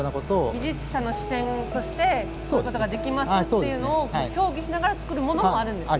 技術者の視点としてこういうことができますよっていうのを協議しながら作るものもあるんですね。